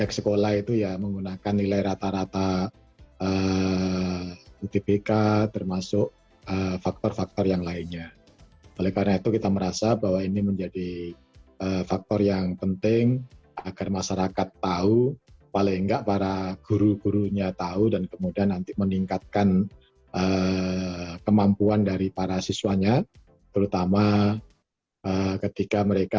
kemampuan dari para siswanya terutama ketika mereka harus menghadapi utbk